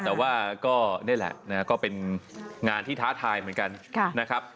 แต่ว่าเนี่ยแหละก็เป็นงานที่ท้าทายเหมือนกัน